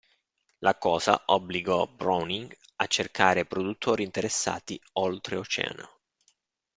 La cosa obbligò Browning a cercare produttori interessati oltreoceano.